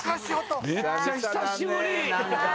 めっちゃ久しぶり！